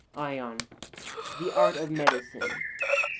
ION: The art of medicine.